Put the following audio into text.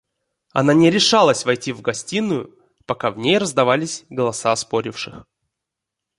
Она не решалась войти в гостиную, пока в ней раздавались голоса споривших.